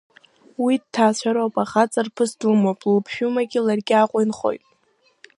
Уи дҭаацәароуп, ахаҵарԥыс длымоуп, лыԥшәмагьы ларгьы Аҟәа инхоит.